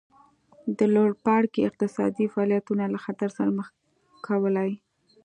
د لوړ پاړکي اقتصادي فعالیتونه له خطر سره مخ کولې